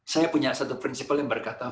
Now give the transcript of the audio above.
saya punya satu prinsipal yang berkata